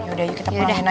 yaudah yuk kita pulang hena